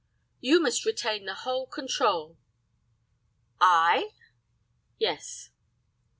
"You must retain the whole control." "I?" "Yes."